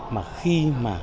mà khi mà